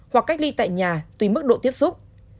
hoặc cách ly tại nhà tùy mức độ tiếp xúc